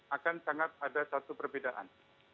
akan sangat ada satu perbedaan